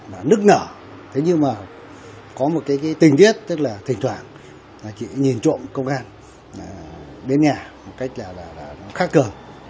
nước nở thế nhưng mà có một cái tình viết tức là thỉnh thoảng là chị nhìn trộm công an đến nhà một cách là khắc cờ